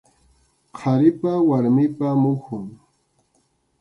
Qharipa warmipa muhun.